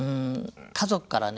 家族からね